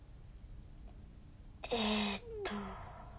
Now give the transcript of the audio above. えっと。